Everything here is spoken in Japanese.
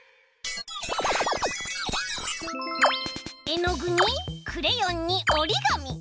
えのぐにクレヨンにおりがみ。